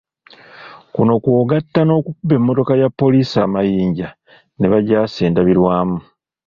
Kuno kw'ogatta n'okukuba emmotoka ya poliisi amayinja ne bagyasa endabirwamu.